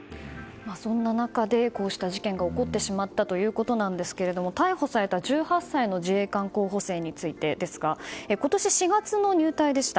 そんな中で、こうした事件が起こってしまったということなんですが逮捕された１８歳の自衛官候補生についてですが今年４月の入隊でした。